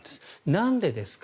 なんでですか。